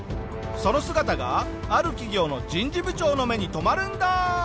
その姿がある企業の人事部長の目に留まるんだ。